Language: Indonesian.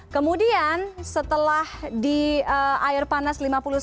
kemudian setelah di air panas lima puluh sembilan